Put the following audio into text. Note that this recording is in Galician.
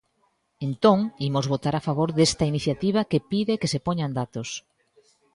Entón, imos votar a favor desta iniciativa que pide que se poñan datos.